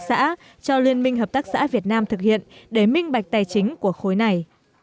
xã cho liên minh hợp tác xã việt nam thực hiện để minh bạch tài chính của khối này